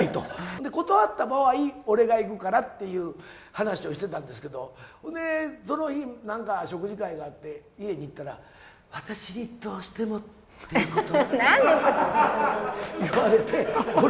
で、断った場合、俺が行くからっていう話をしてたんですけど、ほんで、その日、なんか食事会があって家に行ったら、私にどうしてもっていうこと？